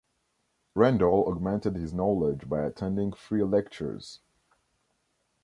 Randal augmented his knowledge by attending free lectures.